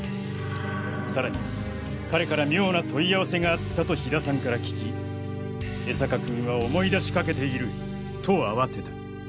さらに彼から妙な問い合わせがあったと火田さんから聞き江坂君は思い出しかけていると慌てた。